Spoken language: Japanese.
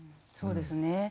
そうですね。